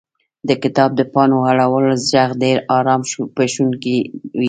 • د کتاب د پاڼو اړولو ږغ ډېر آرام بښونکی وي.